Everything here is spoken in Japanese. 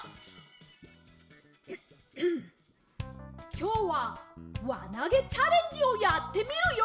きょうはわなげチャレンジをやってみるＹＯ！